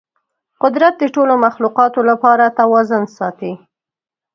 قدرت د ټولو مخلوقاتو لپاره توازن ساتي.